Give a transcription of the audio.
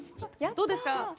どうですか？